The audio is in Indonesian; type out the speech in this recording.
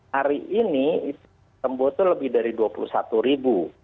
hari ini sembuh itu lebih dari dua puluh satu ribu